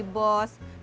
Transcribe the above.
yang kita dignum